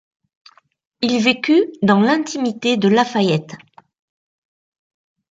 Il vécut dans l’intimité de La Fayette.